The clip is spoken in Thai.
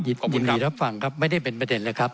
ยินดีรับฟังครับไม่ได้เป็นประเด็นเลยครับ